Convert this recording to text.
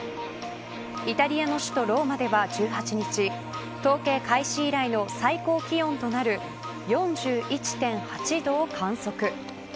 イタリアの首都ローマでは１８日統計開始以来の最高気温となる４１．８度を観測。